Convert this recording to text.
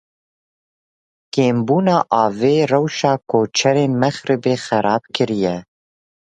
Kêmbûna avê rewşa koçerên Mexribê xerab kiriye.